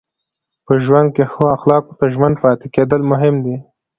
په ژوند کې ښو اخلاقو ته ژمن پاتې کېدل مهم دي.